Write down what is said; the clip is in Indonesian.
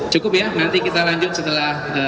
cukup ya nanti kita lanjut setelah